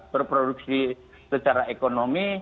berproduksi secara ekonomi